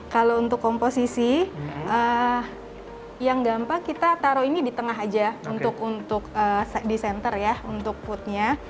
kalau untuk komposisi yang gampang kita taruh ini di tengah aja untuk di center ya untuk foodnya